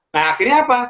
nah akhirnya apa